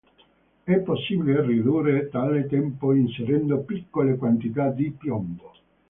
È possibile ridurre tale tempo inserendo piccole quantità di piombo.